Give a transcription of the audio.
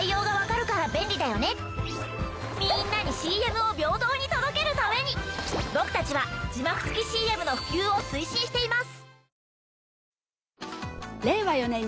みんなにＣＭを平等に届けるために僕たちは字幕付きＣＭの普及を推進しています。